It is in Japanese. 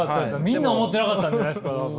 みんな思ってなかったんじゃないですか多分。